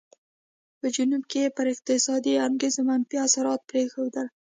په جنوب کې یې پر اقتصادي انګېزو منفي اثرات پرېښودل.